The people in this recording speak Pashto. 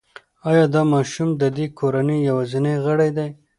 ایا دا ماشوم د دې کورنۍ یوازینی غړی دی؟